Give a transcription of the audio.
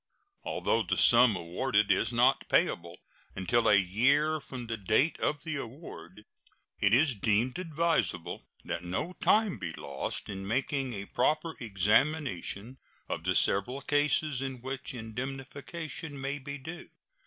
Although the sum awarded is not payable until a year from the date of the award, it is deemed advisable that no time be lost in making a proper examination of the several cases in which indemnification may be due.